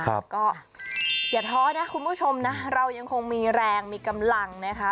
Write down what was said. ก็อย่าท้อนะคุณผู้ชมนะเรายังคงมีแรงมีกำลังนะคะ